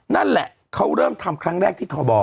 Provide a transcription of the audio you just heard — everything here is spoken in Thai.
นั่นแหละเขาเริ่มทำครั้งแรกที่ทบ